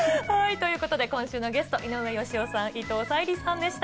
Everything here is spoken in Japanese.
ということで、今週のゲスト、井上芳雄さん、伊藤沙莉さんでした。